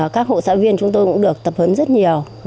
các hộ xã viên chúng tôi cũng được tập huấn rất nhiều